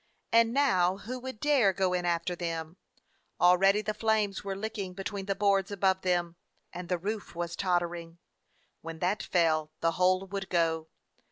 And now who would dare go in after them? Already the flames were licking between the boards above them, and the roof was tottering. When that fell the whole would go.